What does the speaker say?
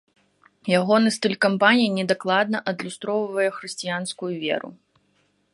Ягоны стыль кампаніі недакладна адлюстроўвае хрысціянскую веру.